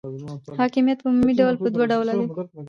حاکمیت په عمومي ډول په دوه ډوله دی.